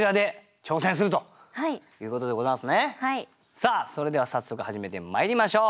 さあそれでは早速始めてまいりましょう。